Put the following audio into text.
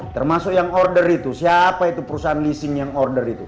termasuk yang order itu siapa itu perusahaan leasing yang order itu